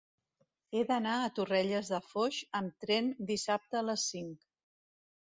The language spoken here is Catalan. He d'anar a Torrelles de Foix amb tren dissabte a les cinc.